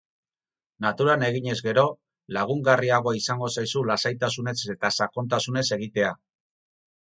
Naturan eginez gero, lagungarriagoa izango zaizu lasaitasunez eta sakontasunez egitea.